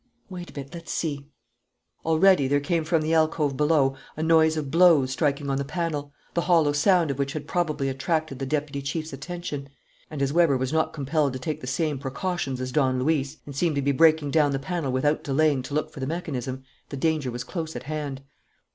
Wait a bit, let's see " Already there came from the alcove below a noise of blows striking on the panel, the hollow sound of which had probably attracted the deputy chief's attention. And, as Weber was not compelled to take the same precautions as Don Luis, and seemed to be breaking down the panel without delaying to look for the mechanism, the danger was close at hand.